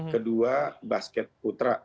kedua basket putra